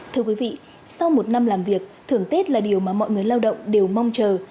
thưa quý vị sau một năm làm việc thưởng tết là điều mà mọi người lao động đều mong chờ